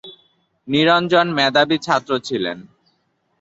নিরঞ্জন মেধাবী ছাত্র ছিলেন।